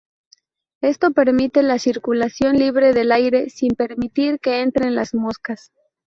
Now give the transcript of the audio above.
Esto permite la circulación libre del aire sin permitir que entren las moscas.